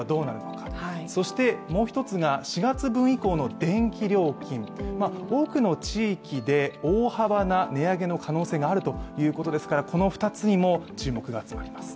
電気料金、多くの地域で、大幅な値上げの可能性があるということですからこの２つにも注目が集まります。